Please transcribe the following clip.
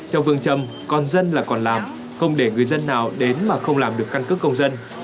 trong vương trầm con dân là còn làm không để người dân nào đến mà không làm được căn cứ công dân